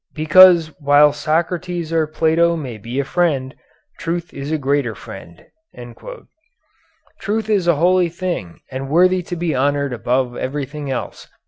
'Because while Socrates or Plato may be a friend, truth is a greater friend.' Truth is a holy thing and worthy to be honored above everything else.